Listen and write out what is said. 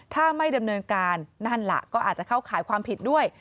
ถ้าไม่ดำเนินการนั่นล่ะก็อาจจะเข้าข่ายความผิดด้วย